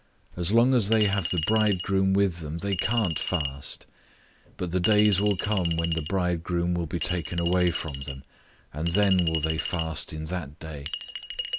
As long as they have the bridegroom with them, they can't fast. 002:020 But the days will come when the bridegroom will be taken away from them, and then will they fast in that day.